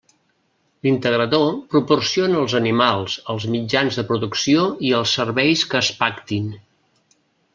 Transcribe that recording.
L'integrador proporciona els animals, els mitjans de producció i els serveis que es pactin.